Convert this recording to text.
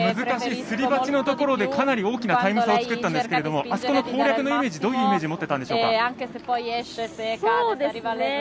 難しいすり鉢のところでかなり大きなタイム差を作ったんですがあそこの攻略のイメージはどういうイメージを持っていたんでしょうか。